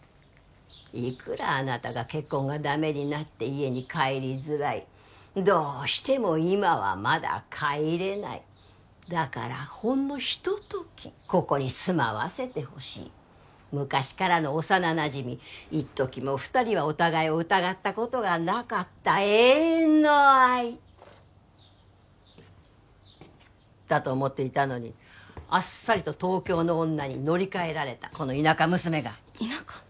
いくらあなたが結婚がダメになって家に帰りづらいどうしても今はまだ帰れないだからほんのひとときここに住まわせてほしい昔からの幼なじみいっときも二人はお互いを疑ったことがなかった永遠の愛だと思っていたのにあっさりと東京の女にのりかえられたこの田舎娘がっ田舎？